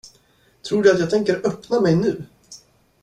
Tror du att jag tänker öppna mig nu?